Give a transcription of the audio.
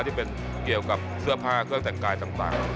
ที่เป็นเกี่ยวกับเสื้อผ้าเครื่องแต่งกายต่าง